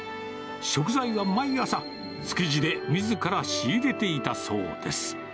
食材は毎朝、築地でみずから仕入れていたそうです。